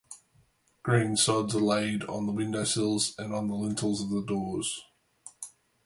Green sods are laid on the windowsills and on the lintels of the doors.